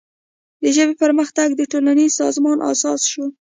د ژبې پرمختګ د ټولنیز سازمان اساس شو.